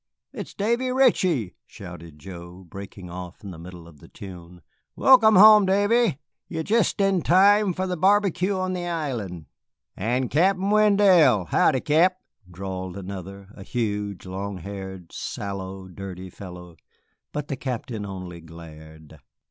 "It's Davy Ritchie!" shouted Joe, breaking off in the middle of the tune; "welcome home, Davy. Ye're jest in time for the barbecue on the island." "And Cap Wendell! Howdy, Cap!" drawled another, a huge, long haired, sallow, dirty fellow. But the Captain only glared.